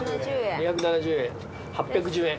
２７０円８１０円。